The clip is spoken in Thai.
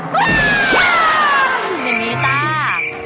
อย่างนี้จ้า